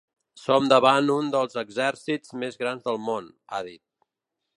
“Som davant un dels exèrcits més grans del món”, ha dit.